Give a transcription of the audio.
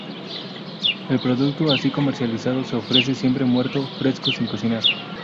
El producto así comercializado se ofrece siempre muerto, fresco, sin cocinar.